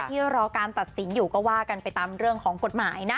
รอการตัดสินอยู่ก็ว่ากันไปตามเรื่องของกฎหมายนะ